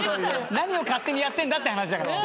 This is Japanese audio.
何を勝手にやってんだって話だから。